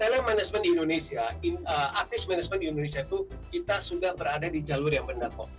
teleg management di indonesia artis management di indonesia itu kita sudah berada di jalur yang benar kok